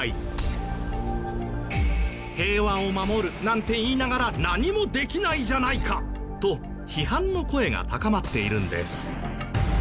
「平和を守るなんて言いながら何もできないじゃないか！」と批判の声が高まっているんです。